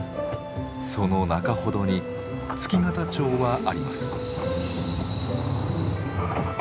その中ほどに月形町はあります。